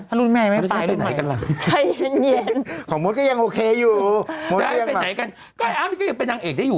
ถ้ารุ่นแม่ไม่ไปเป็นไงล่ะใช่เย็นของมดก็ยังโอเคอยู่มดเป็นไหนกันใกล้อ้าวมดก็ยังเป็นนางเอกได้อยู่อ่ะ